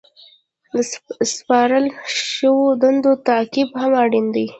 د سپارل شوو دندو تعقیب هم اړین دی.